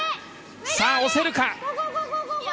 さあ、押せるか。